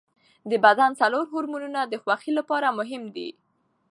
د بدن څلور هورمونونه د خوښۍ لپاره مهم دي.